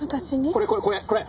これこれこれこれ。